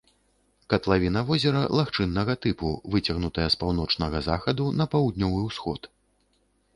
Катлавіна возера лагчыннага тыпу, выцягнутая з паўночнага захаду на паўднёвы ўсход.